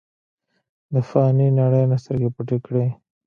د فانې نړۍ نه سترګې پټې کړې ۔